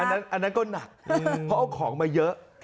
อันนั้นก็หนักเพราะเอาของมาเยอะ